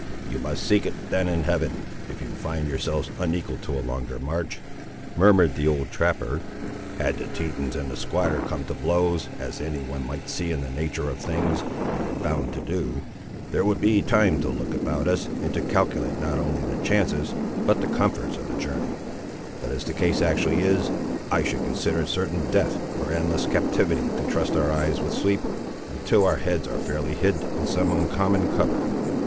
"You must seek it then in Heaven, if you find yourselves unequal to a longer march," murmured the old trapper. "Had the Tetons and the squatter come to blows, as any one might see in the natur' of things they were bound to do, there would be time to look about us, and to calculate not only the chances but the comforts of the journey; but as the case actually is, I should consider it certain death, or endless captivity, to trust our eyes with sleep, until our heads are fairly hid in some uncommon cover."